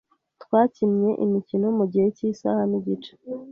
Twakinnye imikino mugihe cyisaha nigice.